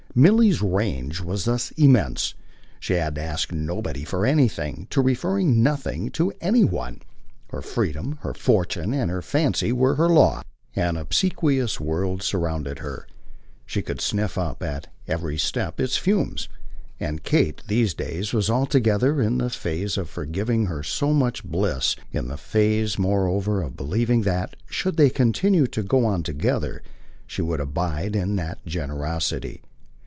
Milly's range was thus immense; she had to ask nobody for anything, to refer nothing to any one; her freedom, her fortune and her fancy were her law; an obsequious world surrounded her, she could sniff up at every step its fumes. And Kate, these days, was altogether in the phase of forgiving her so much bliss; in the phase moreover of believing that, should they continue to go on together, she would abide in that generosity.